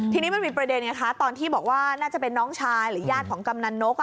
ทีนี้มันมีประเด็นไงคะตอนที่บอกว่าน่าจะเป็นน้องชายหรือญาติของกำนันนก